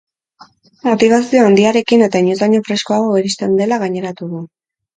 Motibazio handiarekin eta inoiz baino freskoago iristen dela gaineratu du.